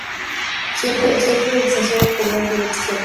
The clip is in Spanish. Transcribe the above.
Siempre rechazó cobrar derechos de autor.